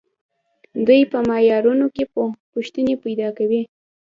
دوی په معیارونو کې پوښتنې پیدا کوي.